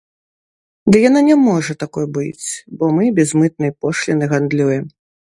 Ды яна не можа такой быць, бо мы без мытнай пошліны гандлюем.